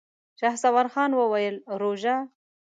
شهسوار خان وويل: روژه؟!